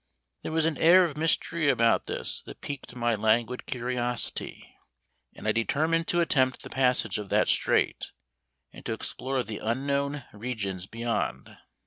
There was an air of mystery about this that piqued my languid curiosity, and I determined to attempt the passage of that strait, and to explore the unknown regions beyond.